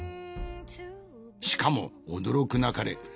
しかも驚くなかれ。